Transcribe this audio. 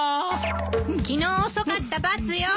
昨日遅かった罰よ。